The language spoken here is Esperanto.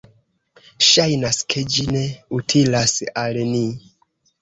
Ŝajnas ke ĝi ne utilas al ni...